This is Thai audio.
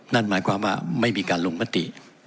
นั่นหมายความว่าไม่มีการลงมติ